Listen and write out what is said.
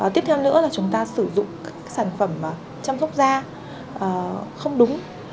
tiếp theo nữa là chúng ta sử dụng các sản phẩm chăm sóc da không đúng